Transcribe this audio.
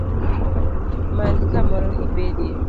Many kamoro ibedie